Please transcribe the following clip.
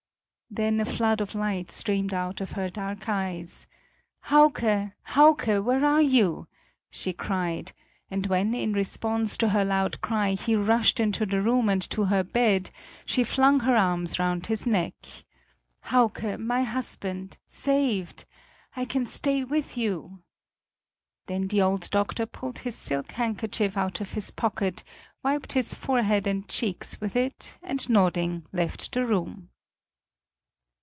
Then a flood of light streamed out of her dark eyes; "Hauke, Hauke, where are you?" she cried, and when, in response to her loud cry, he rushed into the room and to her bed, she flung her arms round his neck: "Hauke, my husband saved! I can stay with you!" Then the old doctor pulled his silk handkerchief out of his pocket, wiped his forehead and cheeks with it and nodding left the room.